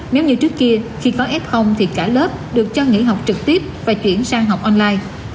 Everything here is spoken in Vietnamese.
nếu như trước kia khi có f thì cả lớp được cho nghỉ học trực tiếp và chuyển sang học online